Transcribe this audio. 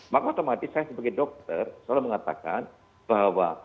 jadi otomatis saya sebagai dokter selalu mengatakan bahwa